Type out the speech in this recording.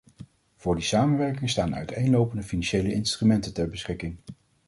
Voor die samenwerking staan uiteenlopende financiële instrumenten ter beschikking.